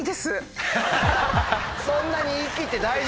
そんなに。